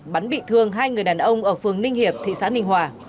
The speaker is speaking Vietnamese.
bắn bị thương hai người đàn ông ở phường ninh hiệp thị xã ninh hòa